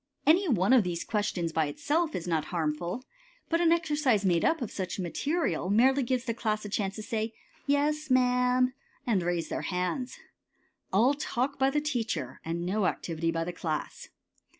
Any one of these questions by itself is not harmful, but an exercise made up of such material merely gives the class a chance to say, "Yes, ma'am," and raise their hands. All talk by the teacher and no activity by the class.